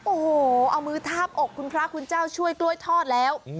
โอ้โหเอามือทาบอกคุณพระคุณเจ้าช่วยกล้วยทอดแล้ว